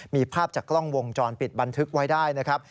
มีภาพจากกล้องวงจรปิดบันทึกไว้ได้นะครับ